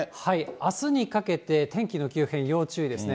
あすにかけて、天気の急変に要注意ですね。